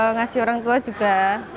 ngasih orang tua juga